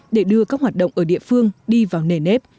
để đưa các hoạt động ở địa phương đi vào nề nếp